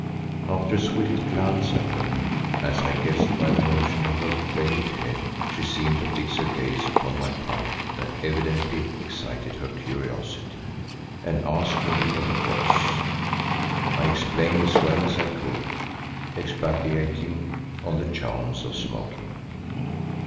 After a swift glance at them, as I guessed by the motion of her veiled head, she seemed to fix her gaze upon my pipe that evidently excited her curiosity, and asked me what it was. I explained as well as I could, expatiating on the charms of smoking.